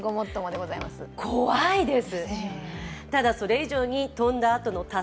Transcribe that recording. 怖いです。